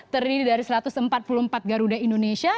terdiri dari satu ratus empat puluh empat garuda indonesia